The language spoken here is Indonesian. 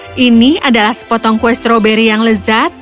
nah ini adalah sepotong kue stroberi yang lezat